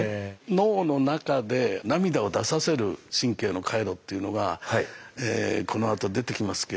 脳の中で涙を出させる神経の回路っていうのがこのあと出てきますけども。